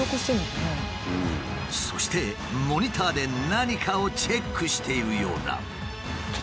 そしてモニターで何かをチェックしているようだ。